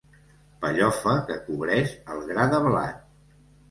Pellofa que cobreix el gra de blat.